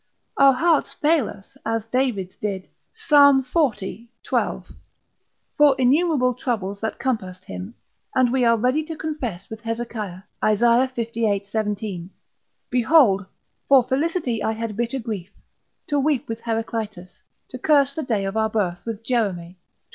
Our hearts fail us as David's did, Psal. xl. 12, for innumerable troubles that compassed him; and we are ready to confess with Hezekiah, Isaiah lviii. 17, behold, for felicity I had bitter grief; to weep with Heraclitus, to curse the day of our birth with Jeremy, xx.